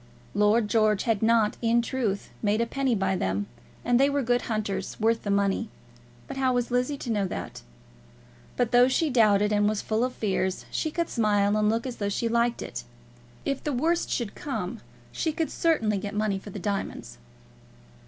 Lord George had not, in truth, made a penny by them, and they were good hunters, worth the money; but how was Lizzie to know that? But though she doubted, and was full of fears, she could smile and look as though she liked it. If the worst should come she could certainly get money for the diamonds.